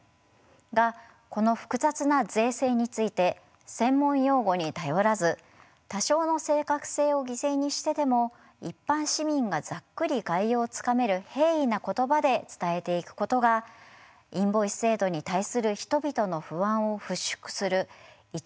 がこの複雑な税制について専門用語に頼らず多少の正確性を犠牲にしてでも一般市民がざっくり概要をつかめる平易な言葉で伝えていくことがインボイス制度に対する人々の不安を払拭する一番の処方箋だと考えます。